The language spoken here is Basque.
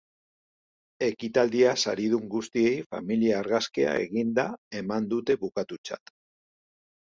Ekitaldia saridun guztiei familia argazkia eginda eman dute bukatutzat.